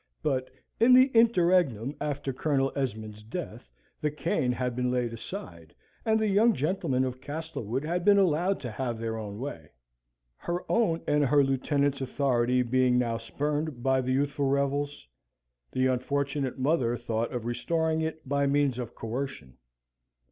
But, in the interregnum after Colonel Esmond's death, the cane had been laid aside, and the young gentlemen of Castlewood had been allowed to have their own way. Her own and her lieutenant's authority being now spurned by the youthful rebels, the unfortunate mother thought of restoring it by means of coercion.